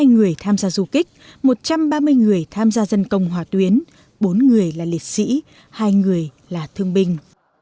hai mươi người tham gia du kích một trăm ba mươi người tham gia dân công hòa tuyến bốn người là liệt sĩ hai người là thương binh